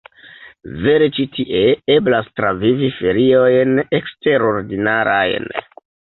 Vere ĉi tie eblas travivi feriojn eksterordinarajn!